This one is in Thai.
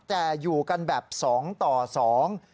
แต่อยู่กันแบบสองต่อสอง